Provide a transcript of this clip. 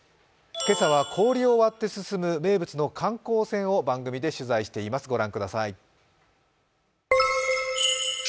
今朝は氷を割って、進む名物の観光船を番組で取材しています。